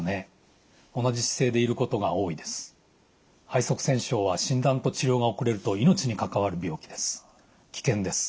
肺塞栓症は診断と治療が遅れると命に関わる病気です。